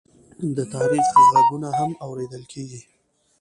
د تاریخ غږونه هم اورېدل کېږي.